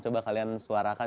coba kalian suarakan